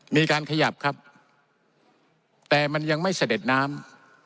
มีการขยับครับแต่มันยังไม่เสด็จน้ำ